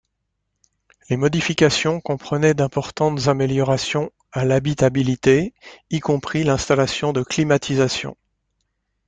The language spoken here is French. Les modifications comprenaient d'importantes améliorations à l'habitabilité, y compris l'installation de climatisation.